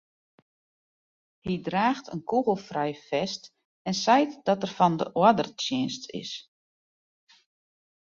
Hy draacht in kûgelfrij fest en seit dat er fan de oardertsjinst is.